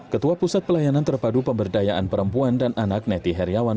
ketua pusat pelayanan terpadu pemberdayaan perempuan dan anak neti heriawan